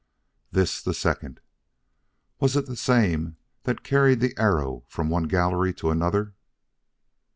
"This the second: "'Was it the same that carried the arrow from one gallery to another?'"